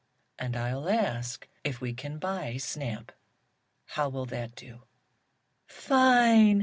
And I'll ask if we can buy Snap. How will that do?" "Fine!"